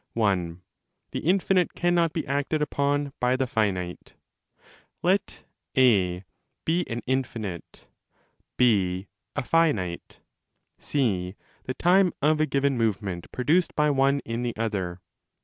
(1. The infinite cannot be acted upon by the finite.) Let 275° A be an infinite, 2 a finite, C the time of a given movement produced by one inthe other.